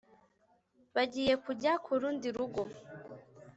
bagiye kujya kurundi rugo